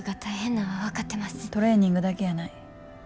トレーニングだけやない。